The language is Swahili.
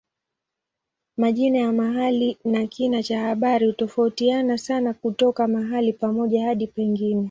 Majina ya mahali na kina cha habari hutofautiana sana kutoka mahali pamoja hadi pengine.